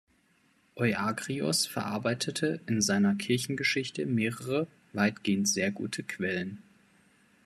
Euagrios verarbeitete in seiner Kirchengeschichte mehrere, weitgehend sehr gute Quellen.